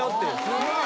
すごい。